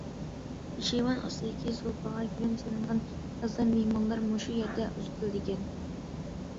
پېشايۋان ئاستىدىكى سۇپىغا گىلەم سېلىنغان، يازدا مېھمانلار مۇشۇ يەردە ئۇزىتىلىدىكەن.